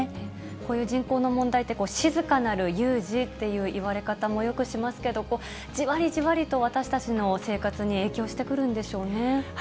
こういう人口の問題って、静かなる有事っていういわれ方もよくしますけど、じわりじわりと私たちの生活に影響してくるんでしょうね。